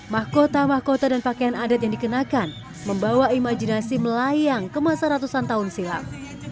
mahkota mahkota dan pakaian adat yang dikenakan membawa imajinasi melayang ke masa ratusan tahun silam